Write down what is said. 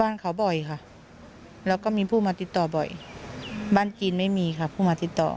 บ้านเขาบ่อยค่ะแล้วก็มีผู้มาติดต่อบ่อยบ้านจีนไม่มีค่ะผู้มาติดต่อ